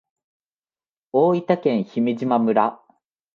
大分県姫島村